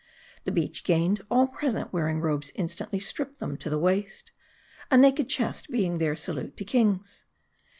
The beach gained, all present wearing robes instantly stripped them to the waist ; a naked chest being their salute to kings.